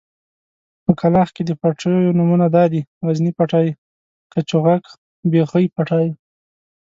په کلاخ کې د پټيو نومونه دادي: غزني پټی، کچوغک، بېخۍ پټی.